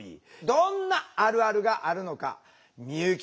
どんなあるあるがあるのか美由紀さん